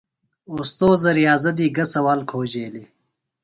اوستوذہ ریاضہ دی گہ سوال کھوجیلیۡ؟